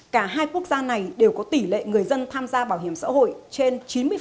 cả hai quốc gia này đều có tỷ lệ người dân tham gia bảo hiểm xã hội trên chín mươi